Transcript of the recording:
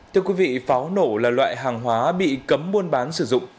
thưa quý vị pháo nổ là loại hàng hóa bị cấm buôn bán sử dụng